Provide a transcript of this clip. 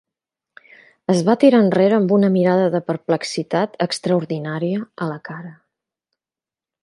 Es va tirar enrere amb una mirada de perplexitat extraordinària a la cara.